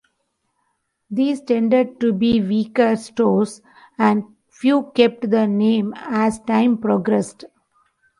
These tended to be weaker stores, and few kept the name as time progressed.